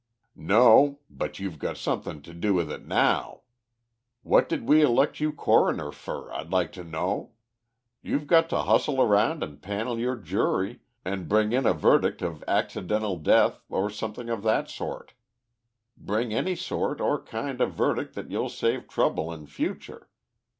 "No. But you've got somethin' to do with it now. What did we elect you coroner fur, I'd like to know? You've got to hustle around and panel your jury an' bring in a verdict of accidental death or something of that sort. Bring any sort or kind of verdict that'll save trouble in future.